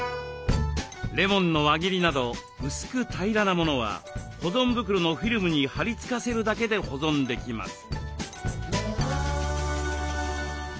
レモンの輪切りなど薄く平らなものは保存袋のフィルムにはり付かせるだけで保存できます。